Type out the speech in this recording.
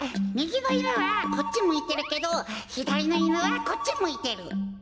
みぎのいぬはこっちむいてるけどひだりのいぬはこっちむいてる。